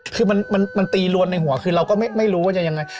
คือมันตีรวนในหัวคือเราก็ไม่รู้ว่าจะยังไง